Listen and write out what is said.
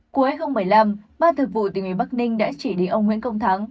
cuối hai nghìn một mươi năm ba thực vụ tỉnh nguyễn bắc ninh đã chỉ đến ông nguyễn công thắng